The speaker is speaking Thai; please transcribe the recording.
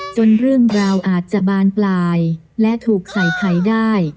เรื่องราวอาจจะบานปลายและถูกใส่ไข่ได้